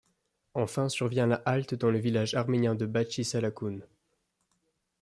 Enfin survient la halte dans le village arménien de Bakhtchi-Salakhun.